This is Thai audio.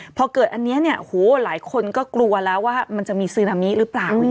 พอเกิดอันนี้เนี่ยโหหลายคนก็กลัวแล้วว่ามันจะมีซึนามิหรือเปล่า